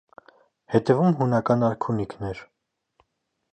Հետևում հունական արքունիքն էր։